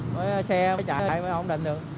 mới xe mới chạy mới ổn định được